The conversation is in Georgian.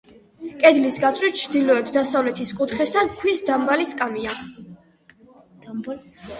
კედლის გასწვრივ, ჩრდილოეთ-დასავლეთის კუთხესთან, ქვის დაბალი სკამია.